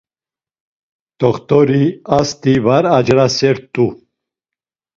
T̆oxt̆ori ast̆i var acerasert̆u.